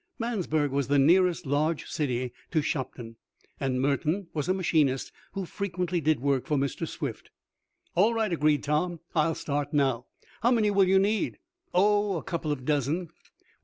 Mansburg was the nearest large city to Shopton, and Merton was a machinist who frequently did work for Mr. Swift. "All right," agreed Tom. "I'll start now. How many will you need?" "Oh, a couple of dozen."